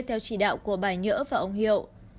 theo chỉ đạo của bà nhỡ và ông hiệu